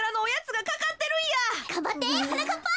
がんばってはなかっぱ。